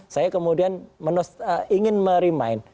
saya kemudian ingin merimain